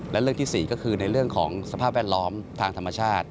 และเรื่องที่๔ก็คือในเรื่องของสภาพแวดล้อมทางธรรมชาติ